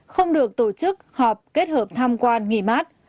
không được tổ chức họp kết hợp tham quan nghỉ mát